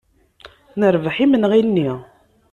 Nerbeḥ imenɣi-nni.